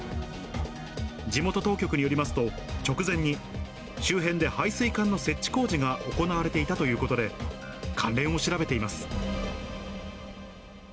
地元当局によりますと、直前に、周辺で排水管の設置工事が行われていたということで、関連を調べています。